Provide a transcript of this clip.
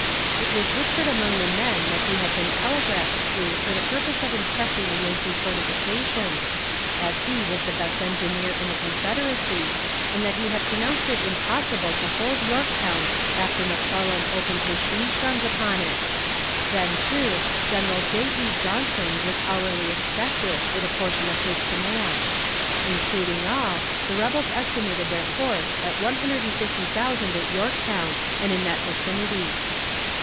It was whispered among the men that he had been telegraphed to for the purpose of inspecting the Yankee fortifications, as he was the best engineer in the Confederacy, and that he had pronounced it impossible to hold Yorktown after McClellan opened his siege guns upon it. Then, too, General J. E. Johnson was hourly expected with a portion of his command. Including all, the rebels estimated their force at one hundred and fifty thousand at Yorktown and in that vicinity.